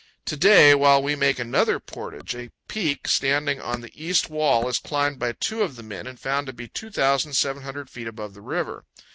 To day, while we make another portage, a peak, standing on the east wall, is climbed by two of the men and found to be 2,700 feet above the river.